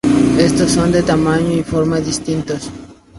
Estos son de tamaños y formas distintos.